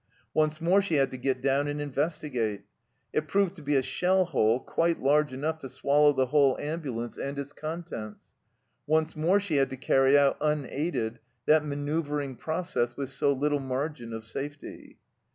Once more she had to get down and investigate ; it proved to be a shell hole quite large enough to swallow the whole ambulance and its contents. Once more she had to carry out unaided that manoeuvring process with so little margin of safety.